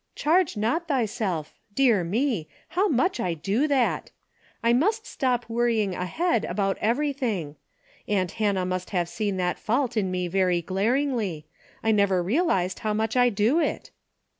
' Charge not thyself,' — dear me ! How much Ido that. I must stop worrying ahead about everything. Aunt Hannah must have seen that fault in me very glaringly. I never realized how much I do it."